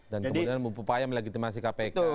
dan kemudian upaya melegitimasi kpk